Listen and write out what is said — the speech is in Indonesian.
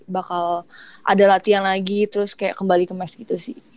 bakal ada latihan lagi terus kayak kembali ke mes gitu sih